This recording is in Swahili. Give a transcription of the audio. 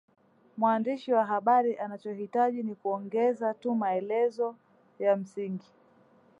Mwandishi wa habari anachohitaji ni kuongeza tu maelezo ya msingi